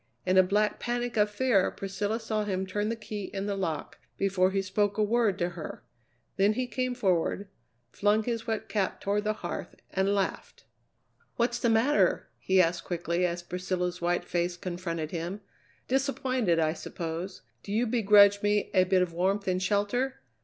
In a black panic of fear Priscilla saw him turn the key in the lock before he spoke a word to her; then he came forward, flung his wet cap toward the hearth, and laughed. "What's the matter?" he asked quickly as Priscilla's white face confronted him. "Disappointed, I suppose. Do you begrudge me a bit of warmth and shelter?